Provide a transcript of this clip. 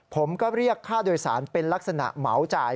ผมก็เรียกค่าโดยสารเป็นลักษณะเหมาจ่าย